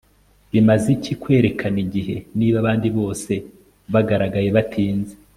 bimaze iki kwerekana igihe niba abandi bose bagaragaye batinze